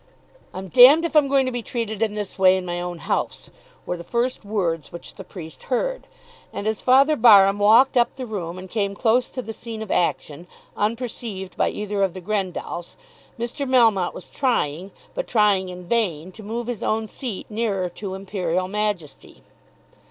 "I'm d if I'm going to be treated in this way in my own house," were the first words which the priest heard. And as Father Barham walked up the room and came close to the scene of action, unperceived by either of the Grendalls, Mr. Melmotte was trying, but trying in vain, to move his own seat nearer to Imperial Majesty.